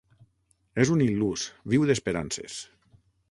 És un il·lús: viu d'esperances.